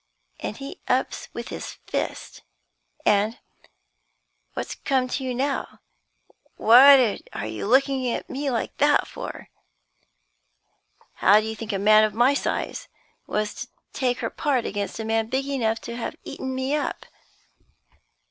And he ups with his fist, and what's come to you, now? What are you looking at me like that for? How do you think a man of my size was to take her part against a man big enough to have eaten me up?